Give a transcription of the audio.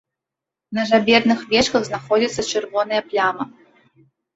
На жаберных вечках знаходзіцца чырвоная пляма.